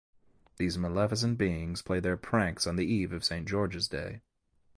These maleficent beings play their pranks on the eve of St. George's Day.